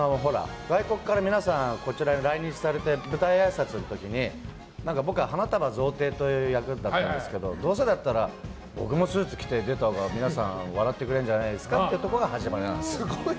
外国から皆さん来日されて舞台あいさつの時に僕が花束贈呈という役だったんですけどどうせだったら僕もスーツ着て出たほうが笑ってくれるんじゃないですかってところが始まりです。